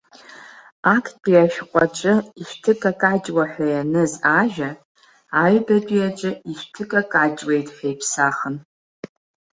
Актәи ашәҟәы аҿы ишәҭыкакаҷуа ҳәа ианыз ажәа, аҩбатәи аҿы ишәҭы-какаҷуеит ҳәа иԥсахын.